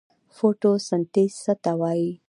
فوتوسنتیز څه ته وایي؟